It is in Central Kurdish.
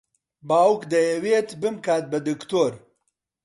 باوک دەیەوێت بمکات بە دکتۆر.